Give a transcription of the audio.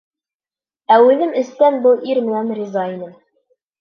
Ә үҙем эстән был ир менән риза инем.